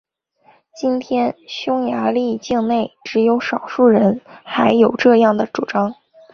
今天匈牙利境内只有少数人还有这样的主张。